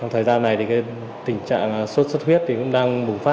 thời gian này tình trạng sốt sốt huyết cũng đang bùng phát